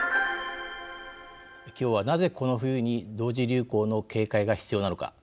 今日は、なぜ、この冬に同時流行の警戒が必要なのか。